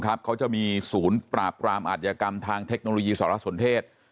ส่วนครับเขาจะมีศูนย์ปรากรามอัดยกรรมทางเทคโนโลยีสหรัฐสนเทศ